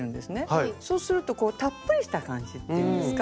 そうするとたっぷりした感じっていうんですか。